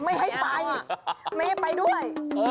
ไม่ให้ไปไม่ให้ไปด้วย